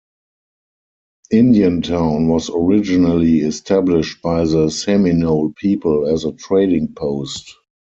Indiantown was originally established by the Seminole people as a trading post.